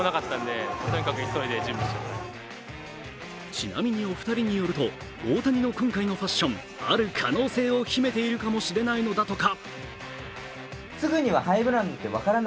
ちなみに、お二人によると大谷の今回のファッション、ある可能性を秘めているかもしれないのだとか。